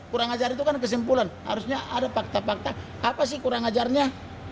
kurang ajar itu kan kesimpulan harusnya ada fakta fakta apa sih kurang ajarnya